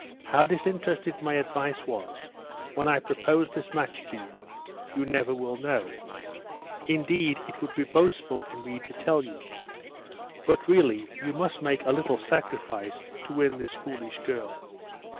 How disinterested my advice was when I proposed this match to you, you never will know; indeed, it would be boastful in me to tell you. But really you must make a little sacrifice to win this foolish girl.